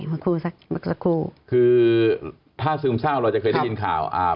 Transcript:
คือถ้าซึมเศร้าเราจะเคยได้ยินข่าว